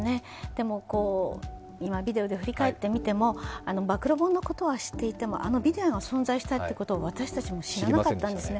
でも、今、ビデオで振り返ってみても、暴露本のことは知っていてもビデオが存在していたということは私たちは知らなかったんですよね。